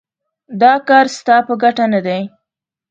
دا کار ستا په ګټه نه دی.